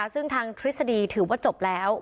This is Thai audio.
ซึ่งทางทฤษฎีถือว่าจบแล้ว